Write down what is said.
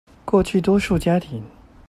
過去多數家庭